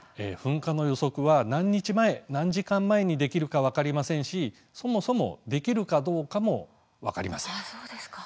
噴火の予測は何日前何時間前にできるか分かりませんし、そもそもできるかどうかも分かりません。